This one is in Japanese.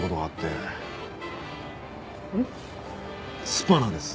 スパナです。